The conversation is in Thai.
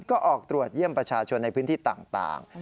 ก็ออกตรวจเยี่ยมประชาชนในพื้นที่ต่าง